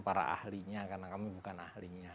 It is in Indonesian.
para ahlinya karena kami bukan ahlinya